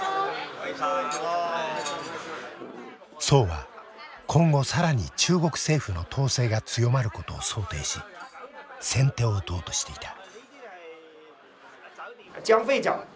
曽は今後更に中国政府の統制が強まることを想定し先手を打とうとしていた。